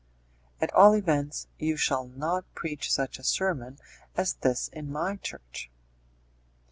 "At all events, you shall not preach such a sermon as this in my church."